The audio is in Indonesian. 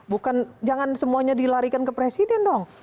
bukan jangan semuanya dilarikan ke presiden dong